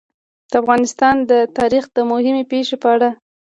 د افغانستان د تاریخ د مهمې پېښې په اړه.